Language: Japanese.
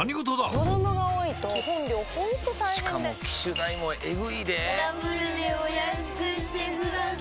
子供が多いと基本料ほんと大変でしかも機種代もエグいでぇダブルでお安くしてください